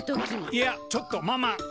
いやちょっとママ。